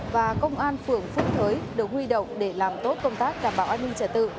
và công an phường phương thới đều huy động để làm tốt công tác đảm bảo an ninh trở tự